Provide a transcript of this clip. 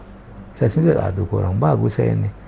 jadi saya disini lihat aduh kurang bagus saya ini